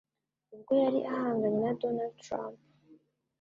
ubwo yari ahanganye na Donald Trump.